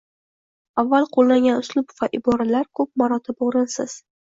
Avval qo‘llangan uslub va iboralar ko‘p marotaba o‘rinsiz